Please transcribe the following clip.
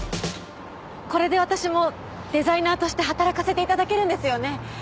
これで私もデザイナーとして働かせて頂けるんですよね？